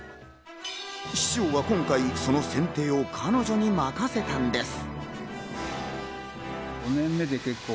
師匠は、今回その剪定を彼女に任せたんです。